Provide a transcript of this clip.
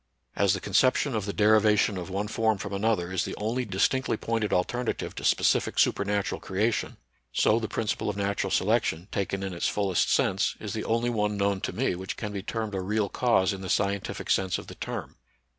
As the conception of the derivation of one form from another is the only distinctly pointed alter native to specific supernatural creation, so the principle of natural selection, taken in its fullest sense, is the only one known to me which can NATURAL SCIENCE AND RELIGION. 71 be termed a real cause in the scientific sense of the term.